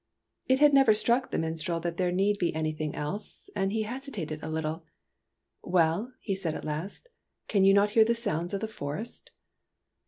It had never struck the minstrel that there need be anything else, and he hesitated a little. " Well," he said at last, " can you not hear the sounds of the forest